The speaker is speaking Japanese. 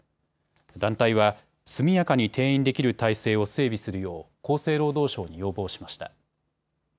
団体は速やかに転院できる体制を整備するよう厚生労働省に要望しました。